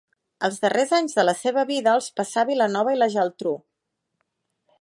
Els darrers anys de la seva vida els passà a Vilanova i la Geltrú.